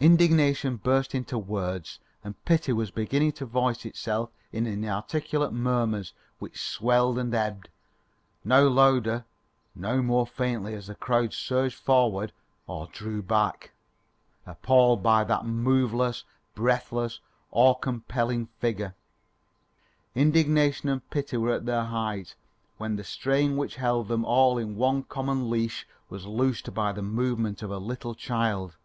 Indignation burst into words, and pity was beginning to voice itself in inarticulate murmurs which swelled and ebbed, now louder, now more faintly as the crowd surged forward or drew back, appalled by that moveless, breathless, awe compelling figure. Indignation and pity were at their height when the strain which held them all in one common leash was loosed by the movement of a little child.